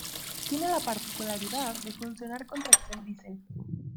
Tiene la particularidad de funcionar con tracción diesel.